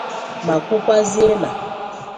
ma kwukwazie na